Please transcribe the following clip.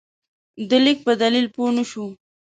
د لیک په دلیل پوه نه شو.